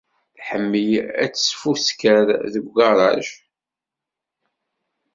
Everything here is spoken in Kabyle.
Tḥemmel ad tesfusker deg ugaṛaj.